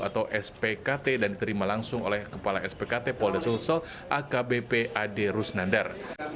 atau spkt dan diterima langsung oleh kepala spkt polda sulsel akbp ade rusnandar